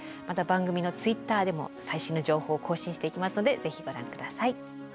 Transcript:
また番組のＴｗｉｔｔｅｒでも最新の情報を更新していきますのでぜひご覧下さい。